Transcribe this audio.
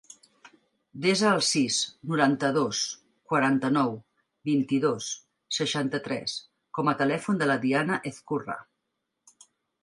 Desa el sis, noranta-dos, quaranta-nou, vint-i-dos, seixanta-tres com a telèfon de la Diana Ezcurra.